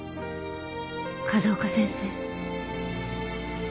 風丘先生。